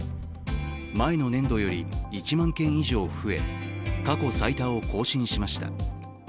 前の年度より１万件以上増え過去最多を更新しました。